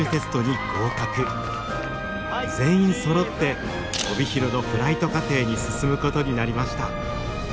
全員そろって帯広のフライト課程に進むことになりました。